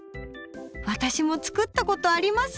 私も作ったことあります！